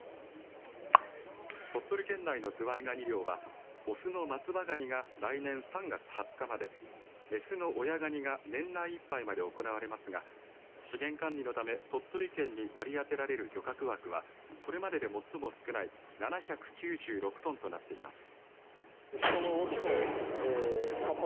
鳥取県内のズワイガニ漁は雄の松葉がにが来年３月２０日まで雌の親がにが年内いっぱいまで行われますが資源管理のため鳥取県に割り当てられる漁獲枠はこれまでで最も少ない７９６トンとなっています。